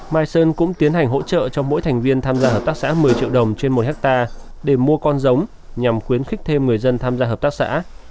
mai sơn cũng tiến hành hỗ trợ cho mỗi thành viên tham gia hợp tác xã một mươi triệu đồng trên một hectare để mua con giống nhằm khuyến khích thêm người dân tham gia hợp tác xã